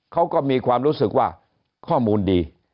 เขาก็มีความรู้สึกว่าข้อมูลดี